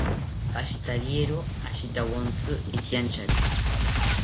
Pashitariero ashitawontzi ikiantyari